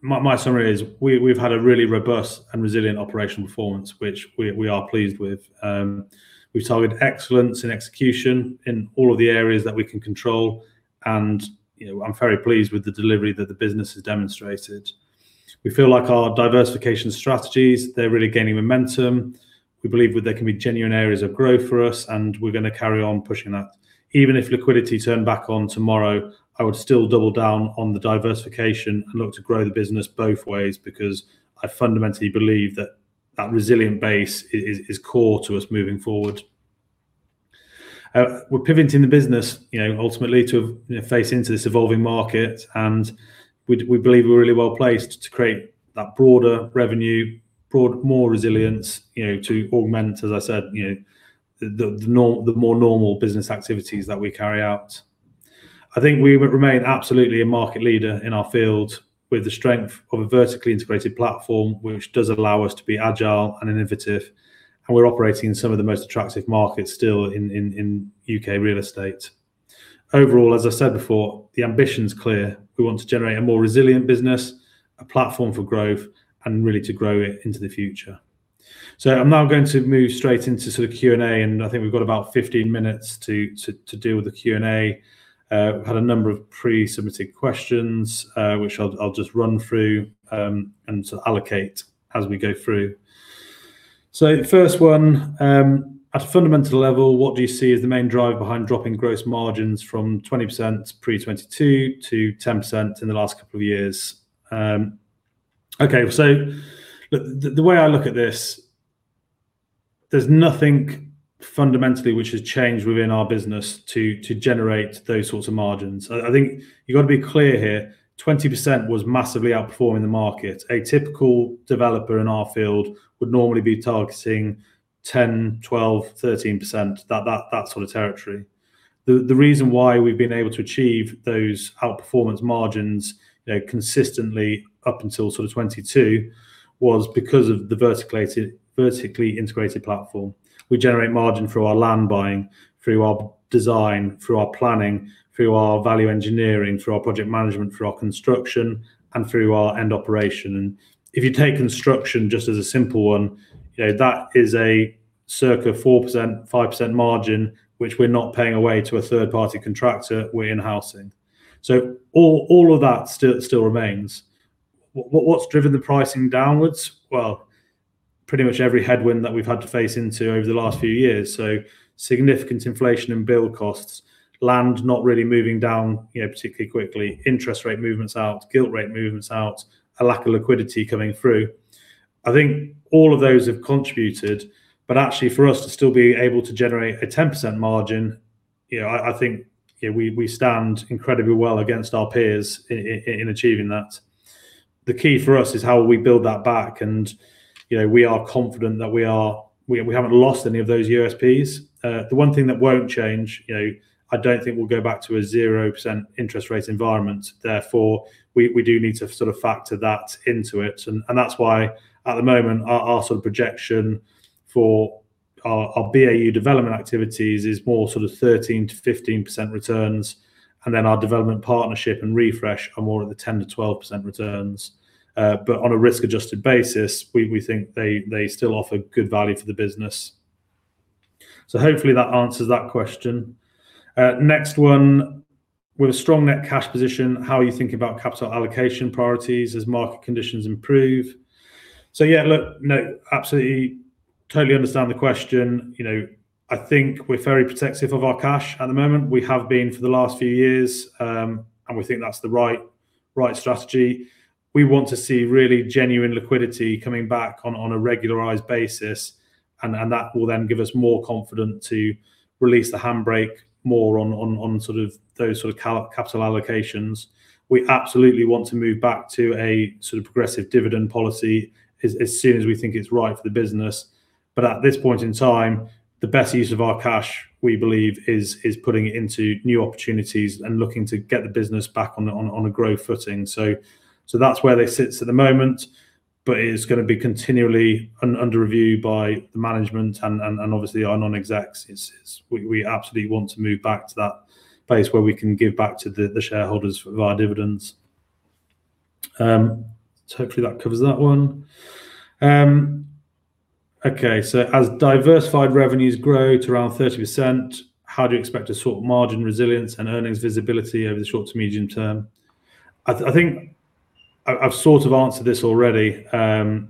my summary is we've had a really robust and resilient operational performance, which we are pleased with. We've targeted excellence in execution in all of the areas that we can control, and I'm very pleased with the delivery that the business has demonstrated. We feel like our diversification strategies, they're really gaining momentum. We believe there can be genuine areas of growth for us, and we're going to carry on pushing that. Even if liquidity turned back on tomorrow, I would still double down on the diversification and look to grow the business both ways because I fundamentally believe that that resilient base is core to us moving forward. We're pivoting the business ultimately to face into this evolving market, and we believe we're really well placed to create that broader revenue, more resilience to augment, as I said, the more normal business activities that we carry out. I think we remain absolutely a market leader in our field with the strength of a vertically integrated platform, which does allow us to be agile and innovative, and we're operating in some of the most attractive markets still in U.K. real estate. Overall, as I said before, the ambition's clear. We want to generate a more resilient business, a platform for growth, and really to grow it into the future. So I'm now going to move straight into sort of Q&A, and I think we've got about 15 minutes to deal with the Q&A. We've had a number of pre-submitted questions, which I'll just run through and sort of allocate as we go through. So the first one, at a fundamental level, what do you see as the main driver behind dropping gross margins from 20% pre-2022 to 10% in the last couple of years? Okay, so the way I look at this, there's nothing fundamentally which has changed within our business to generate those sorts of margins. I think you've got to be clear here, 20% was massively outperforming the market. A typical developer in our field would normally be targeting 10%, 12%, 13%, that sort of territory. The reason why we've been able to achieve those outperformance margins consistently up until sort of 2022 was because of the vertically integrated platform. We generate margin through our land buying, through our design, through our planning, through our value engineering, through our project management, through our construction, and through our end operation. And if you take construction just as a simple one, that is a circa 4%, 5% margin, which we're not paying away to a third-party contractor. We're in-housing. So all of that still remains. What's driven the pricing downwards? Well, pretty much every headwind that we've had to face into over the last few years. So significant inflation in build costs, land not really moving down particularly quickly, interest rate movements out, gilt rate movements out, a lack of liquidity coming through. I think all of those have contributed, but actually for us to still be able to generate a 10% margin, I think we stand incredibly well against our peers in achieving that. The key for us is how we build that back, and we are confident that we haven't lost any of those USPs. The one thing that won't change, I don't think we'll go back to a 0% interest rate environment. Therefore, we do need to sort of factor that into it. And that's why at the moment, our sort of projection for our BAU development activities is more sort of 13%-15% returns, and then our development partnership and Refresh are more at the 10%-12% returns. But on a risk-adjusted basis, we think they still offer good value for the business. So hopefully that answers that question. Next one, with a strong net cash position, how are you thinking about capital allocation priorities as market conditions improve? So yeah, look, no, absolutely, totally understand the question. I think we're very protective of our cash at the moment. We have been for the last few years, and we think that's the right strategy. We want to see really genuine liquidity coming back on a regularized basis, and that will then give us more confidence to release the handbrake more on sort of those sort of capital allocations. We absolutely want to move back to a sort of progressive dividend policy as soon as we think it's right for the business. But at this point in time, the best use of our cash, we believe, is putting it into new opportunities and looking to get the business back on a growth footing. So that's where this sits at the moment, but it's going to be continually under review by the management and obviously our non-execs. We absolutely want to move back to that place where we can give back to the shareholders of our dividends. Hopefully that covers that one. Okay, so as diversified revenues grow to around 30%, how do you expect to sort of margin resilience and earnings visibility over the short to medium term? I think I've sort of answered this already. We're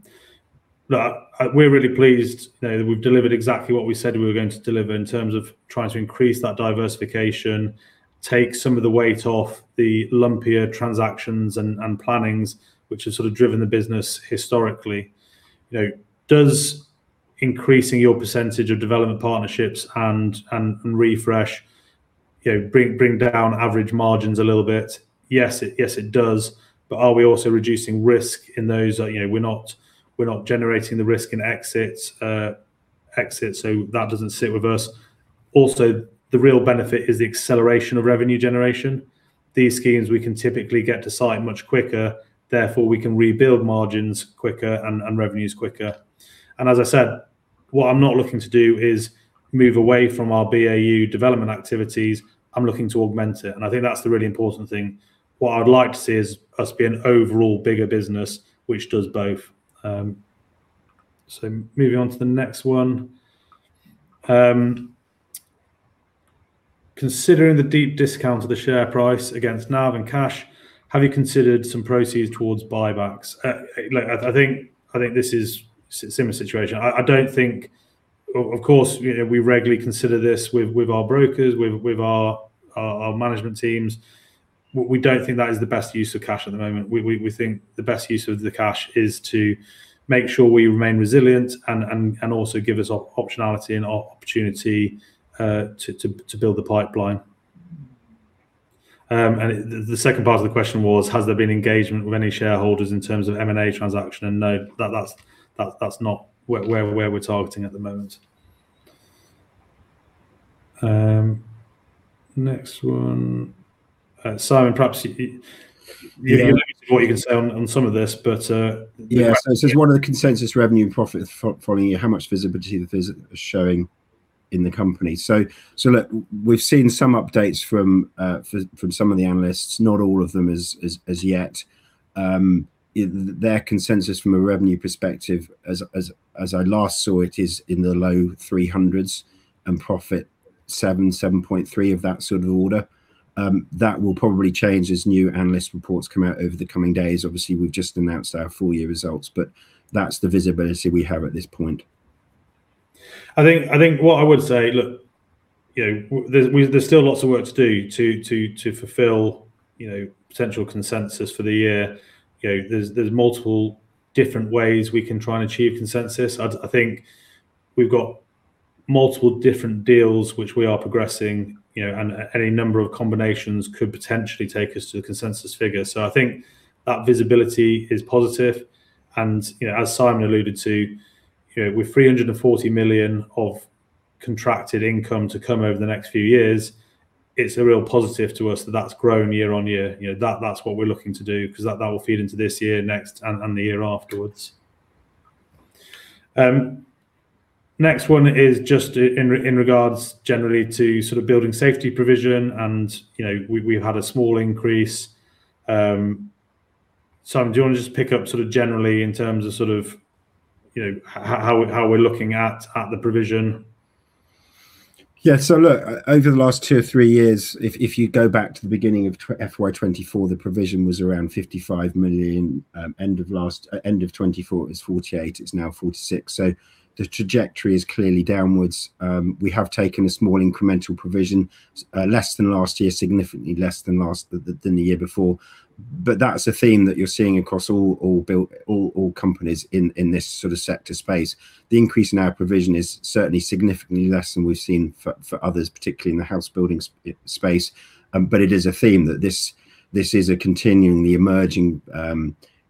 really pleased that we've delivered exactly what we said we were going to deliver in terms of trying to increase that diversification, take some of the weight off the lumpier transactions and plannings which have sort of driven the business historically. Does increasing your percentage of development partnerships and Refresh bring down average margins a little bit? Yes, it does. But are we also reducing risk in those? We're not generating the risk in exits, so that doesn't sit with us. Also, the real benefit is the acceleration of revenue generation. These schemes, we can typically get to site much quicker. Therefore, we can rebuild margins quicker and revenues quicker, and as I said, what I'm not looking to do is move away from our BAU development activities. I'm looking to augment it, and I think that's the really important thing. What I'd like to see is us be an overall bigger business which does both, so moving on to the next one. Considering the deep discount of the share price against NAV and cash, have you considered some proceeds towards buybacks? I think this is a similar situation. I don't think, of course, we regularly consider this with our brokers, with our management teams. We don't think that is the best use of cash at the moment. We think the best use of the cash is to make sure we remain resilient and also give us optionality and opportunity to build the pipeline. The second part of the question was, has there been engagement with any shareholders in terms of M&A transaction? No, that's not where we're targeting at the moment. Next one. Simon, perhaps you're limited to what you can say on some of this, but yeah. This is one of the consensus revenue profits following, so how much visibility the business is showing in the company. Look, we've seen some updates from some of the analysts, not all of them as yet. Their consensus from a revenue perspective, as I last saw it, is in the low 300s and profit 7-7.3 of that sort of order. That will probably change as new analyst reports come out over the coming days. Obviously, we've just announced our full year results, but that's the visibility we have at this point. I think what I would say, look, there's still lots of work to do to fulfill potential consensus for the year. There's multiple different ways we can try and achieve consensus. I think we've got multiple different deals which we are progressing, and any number of combinations could potentially take us to the consensus figure. So I think that visibility is positive. And as Simon alluded to, with 340 million of contracted income to come over the next few years, it's a real positive to us that that's grown year-on-year. That's what we're looking to do because that will feed into this year, next, and the year afterwards. Next one is just in regards generally to sort of building safety provision, and we've had a small increase. Simon, do you want to just pick up sort of generally in terms of sort of how we're looking at the provision? Yeah. So look, over the last two or three years, if you go back to the beginning of FY24, the provision was around 55 million. End of 24 is 48 million. It's now 46 million. So the trajectory is clearly downwards. We have taken a small incremental provision, less than last year, significantly less than the year before. But that's a theme that you're seeing across all companies in this sort of sector space. The increase in our provision is certainly significantly less than we've seen for others, particularly in the house building space. But it is a theme that this is a continuing emerging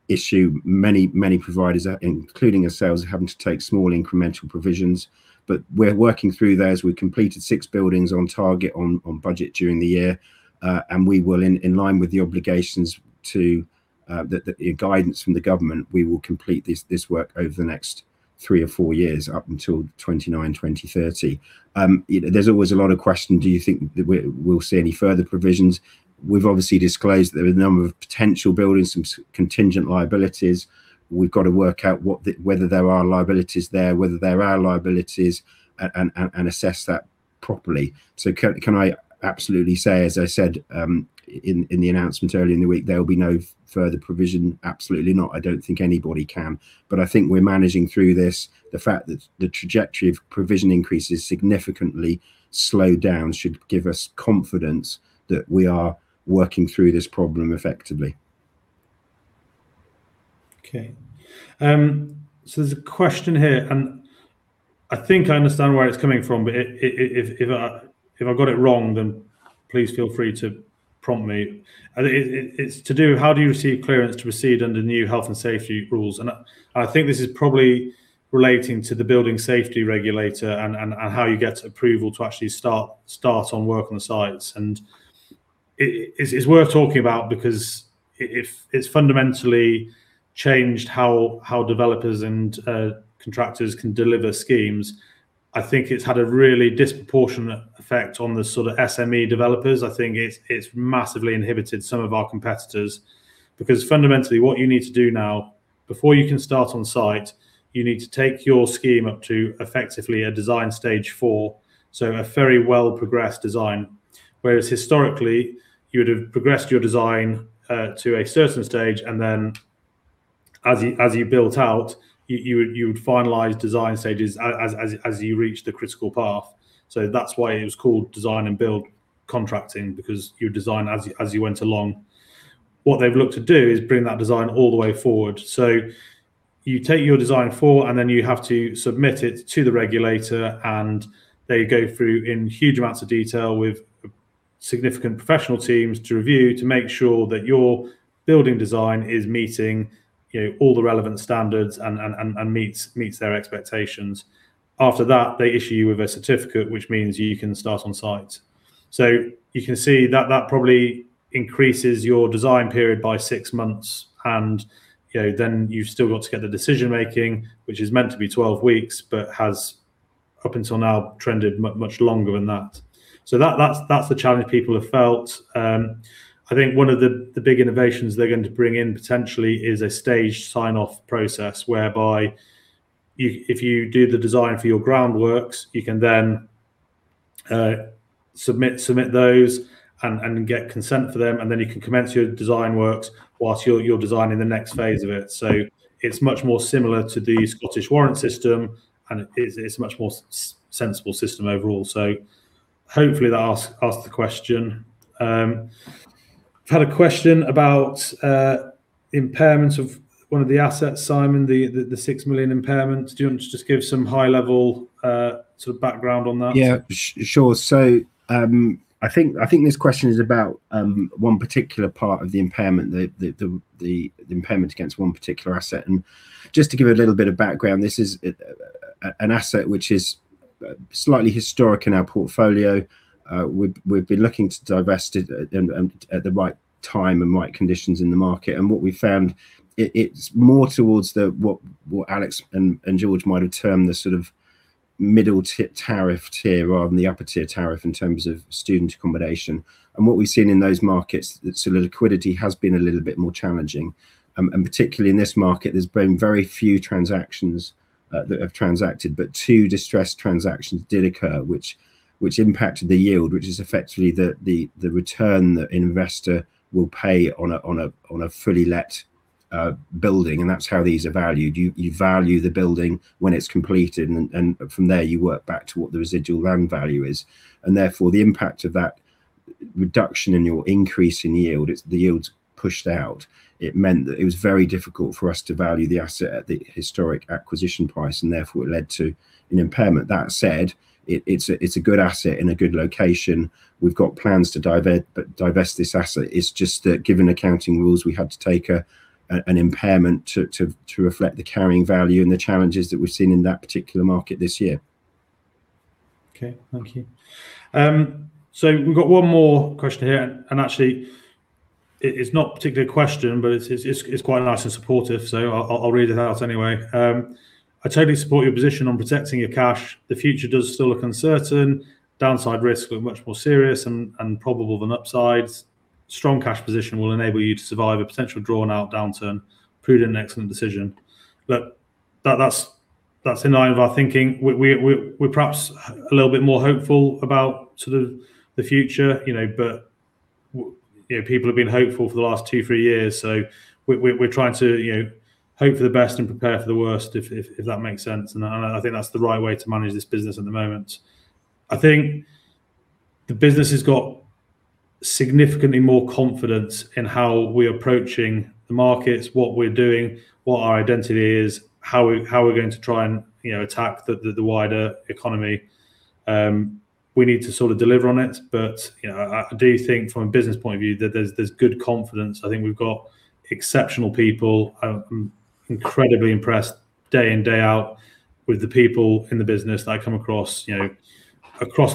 issue. Many, many providers, including ourselves, are having to take small incremental provisions. But we're working through those. We've completed six buildings on target on budget during the year, and we will, in line with the obligations to guidance from the government, complete this work over the next three or four years up until 2029, 2030. There's always a lot of questions. Do you think we'll see any further provisions? We've obviously disclosed there are a number of potential buildings, some contingent liabilities. We've got to work out whether there are liabilities there, whether there are liabilities, and assess that properly. So can I absolutely say, as I said in the announcement earlier in the week, there will be no further provision? Absolutely not. I don't think anybody can, but I think we're managing through this. The fact that the trajectory of provision increases significantly slowed down should give us confidence that we are working through this problem effectively. Okay. There's a question here, and I think I understand where it's coming from, but if I've got it wrong, then please feel free to prompt me. It's to do with how do you receive clearance to proceed under new health and safety rules? I think this is probably relating to the Building Safety Regulator and how you get approval to actually start on work on the sites. It's worth talking about because it's fundamentally changed how developers and contractors can deliver schemes. I think it's had a really disproportionate effect on the sort of SME developers. I think it's massively inhibited some of our competitors because fundamentally, what you need to do now, before you can start on site, you need to take your scheme up to effectively a Design Stage 4, so a very well-progressed design. Whereas historically, you would have progressed your design to a certain stage, and then as you built out, you would finalize design stages as you reach the critical path, so that's why it was called Design and Build contracting because you design as you went along. What they've looked to do is bring that design all the way forward, so you take your Design 4, and then you have to submit it to the regulator, and they go through in huge amounts of detail with significant professional teams to review to make sure that your building design is meeting all the relevant standards and meets their expectations. After that, they issue you with a certificate, which means you can start on site. So you can see that that probably increases your design period by six months, and then you've still got to get the decision-making, which is meant to be 12 weeks, but has up until now trended much longer than that. So that's the challenge people have felt. I think one of the big innovations they're going to bring in potentially is a staged sign-off process whereby if you do the design for your groundworks, you can then submit those and get consent for them, and then you can commence your design works while you're designing the next phase of it. So it's much more similar to the Scottish warrant system, and it's a much more sensible system overall. So hopefully that asks the question. I've had a question about impairments of one of the assets, Simon, the 6 million impairment. Do you want to just give some high-level sort of background on that? Yeah, sure. So I think this question is about one particular part of the impairment, the impairment against one particular asset. And just to give a little bit of background, this is an asset which is slightly historic in our portfolio. We've been looking to divest it at the right time and right conditions in the market. And what we found, it's more towards what Alex and George might have termed the sort of middle-tier tariff tier rather than the upper-tier tariff in terms of student accommodation. And what we've seen in those markets, sort of liquidity has been a little bit more challenging. And particularly in this market, there's been very few transactions that have transacted, but two distressed transactions did occur, which impacted the yield, which is effectively the return that an investor will pay on a fully-let building. And that's how these are valued. You value the building when it's completed, and from there, you work back to what the residual land value is. And therefore, the impact of that reduction in your increase in yield, the yield's pushed out. It meant that it was very difficult for us to value the asset at the historic acquisition price, and therefore, it led to an impairment. That said, it's a good asset in a good location. We've got plans to divest this asset. It's just that given accounting rules, we had to take an impairment to reflect the carrying value and the challenges that we've seen in that particular market this year. Okay. Thank you. So we've got one more question here. And actually, it's not a particular question, but it's quite nice and supportive, so I'll read it out anyway. I totally support your position on protecting your cash. The future does still look uncertain. Downside risks are much more serious and probable than upsides. Strong cash position will enable you to survive a potential drawn-out downturn. Prudent and excellent decision. Look, that's in line with our thinking. We're perhaps a little bit more hopeful about sort of the future, but people have been hopeful for the last two, three years. So we're trying to hope for the best and prepare for the worst, if that makes sense. And I think that's the right way to manage this business at the moment. I think the business has got significantly more confidence in how we're approaching the markets, what we're doing, what our identity is, how we're going to try and attack the wider economy. We need to sort of deliver on it, but I do think from a business point of view that there's good confidence. I think we've got exceptional people. I'm incredibly impressed day in, day out with the people in the business that I come across the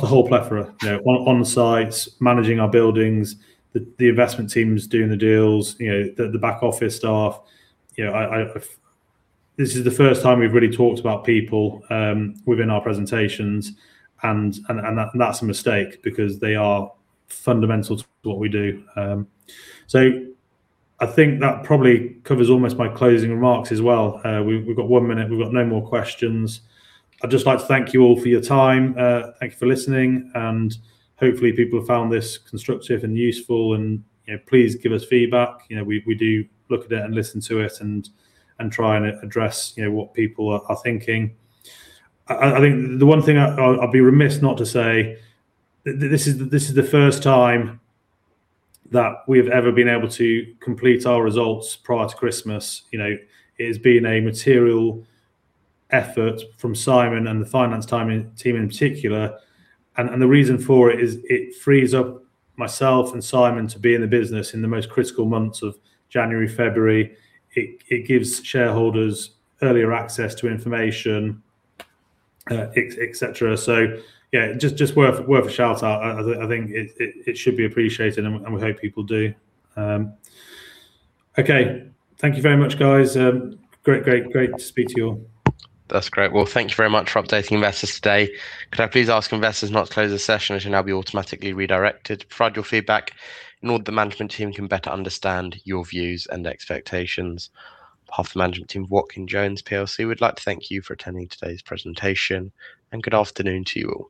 whole plethora, on sites, managing our buildings, the investment teams doing the deals, the back office staff. This is the first time we've really talked about people within our presentations, and that's a mistake because they are fundamental to what we do. So I think that probably covers almost my closing remarks as well. We've got one minute. We've got no more questions. I'd just like to thank you all for your time. Thank you for listening. And hopefully, people have found this constructive and useful, and please give us feedback. We do look at it and listen to it and try and address what people are thinking. I think the one thing I'd be remiss not to say, this is the first time that we have ever been able to complete our results prior to Christmas. It has been a material effort from Simon and the finance team in particular. And the reason for it is it frees up myself and Simon to be in the business in the most critical months of January, February. It gives shareholders earlier access to information, etc. So yeah, just worth a shout out. I think it should be appreciated, and we hope people do. Okay. Thank you very much, guys. Great, great, great to speak to you all. That's great. Well, thank you very much for updating investors today. Could I please ask investors not to close the session as you'll now be automatically redirected? Provide your feedback, in order that the management team can better understand your views and expectations. On behalf of the management team, Watkin Jones PLC, would like to thank you for attending today's presentation. And good afternoon to you all.